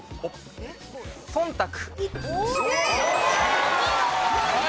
えんたく。